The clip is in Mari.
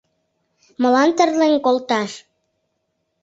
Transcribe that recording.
— Молан тарлен колташ?